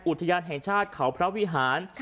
อุทยานแห่งชาติเขาพระวิหาร